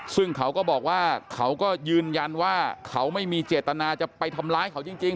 ซึ่งเขาก็บอกว่าเขาก็ยืนยันว่าเขาไม่มีเจตนาจะไปทำร้ายเขาจริง